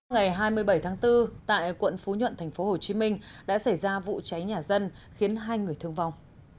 ngày hai mươi bảy tháng bốn tại quận phú nhuận tp hcm đã xảy ra vụ cháy nhà dân khiến hai người thương vong